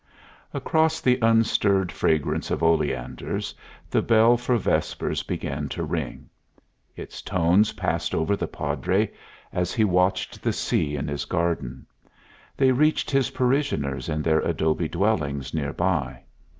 Across the unstirred fragrance of oleanders the bell for vespers began to ring. Its tones passed over the Padre as he watched the sea in his garden. They reached his parishioners in their adobe dwellings near by.